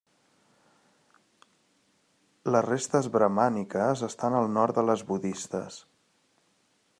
Les restes bramàniques estan al nord de les budistes.